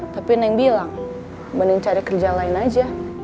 tapi neng bilang mending cari kerja lain aja